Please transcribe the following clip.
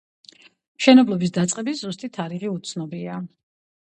მშენებლობის დაწყების ზუსტი თარიღი უცნობია.